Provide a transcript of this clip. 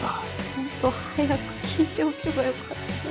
もっと早く聞いておけばよかったな。